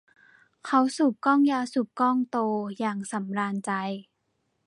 เขาสูบกล้องยาสูบกล้องโตอย่างสำราญใจ